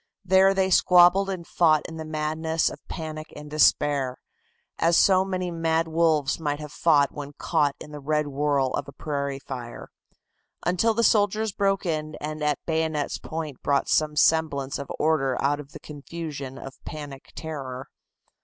There they squabbled and fought in the madness of panic and despair, as so many mad wolves might have fought when caught in the red whirl of a prairie fire, until the soldiers broke in and at the bayonet's point brought some semblance of order out of the confusion of panic terror.